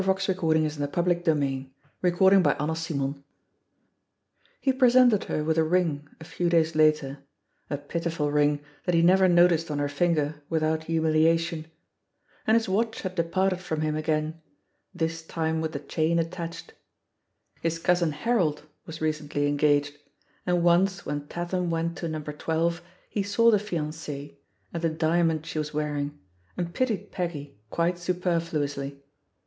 "You needn't mind him/* cried Peggy hilari ously, "we're engaged 1" CHAPTER VII He presented her with a ring a few days later — SL pitiful ring that he never noticed on her finger without humiliation — ^and his watch had departed from him again, this time with the chain attached. His cousin Harold was recently engaged, and once when Tatham went to No. 12 he saw the fiancee and the diamond she was wearing, and pitied Peggy quite superfiuously.